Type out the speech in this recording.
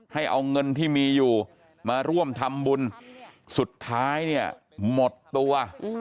ให้เอาเงินที่มีอยู่มาร่วมทำบุญสุดท้ายเนี่ยหมดตัว